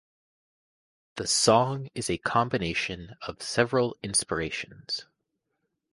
The song is a combination of several inspirations.